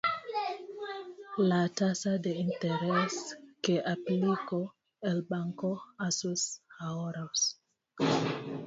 La tasa de interés que aplicó el banco a sus ahorros